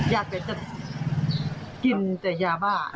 อยากจะกินแต่ยาบ้า